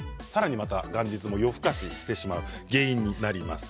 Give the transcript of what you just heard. また元日も夜更かししてしまう原因になります。